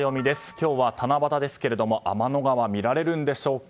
今日は、七夕ですが天の川は見られるんでしょうか。